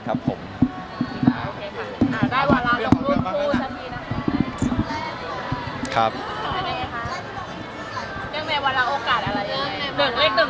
ตกเถาเป็นอะไร